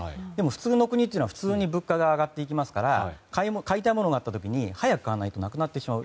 普通の国は普通に物価が上がっていきますから買いたいものがあった時に早く買わないとなくなってしまう。